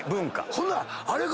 ほんならあれか。